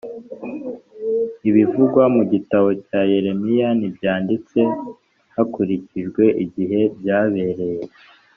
Ibivugwa mu gitabo cya Yeremiya ntibyanditse hakurikijwe igihe byabereye